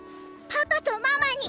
パパとママに。